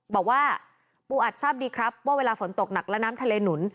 บอกว่าปูอัดทราบดีครับว่าเวลาฝนตกหนักและน้ำทะเลหนุน